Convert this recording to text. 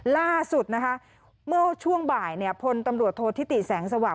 ล่าสุดนะคะเมื่อช่วงบ่ายพลตำรวจโทษธิติแสงสว่าง